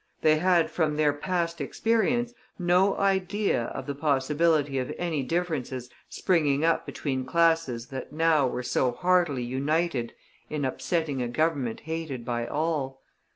They had, from their past experience, no idea of the possibility of any differences springing up between classes that now were so heartily united in upsetting a Government hated by all.